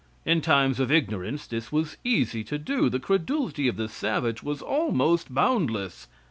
In times of ignorance this was easy to do. The credulity of the savage was almost boundless.